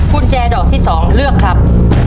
กุญแจดอกที่๒เลือกครับ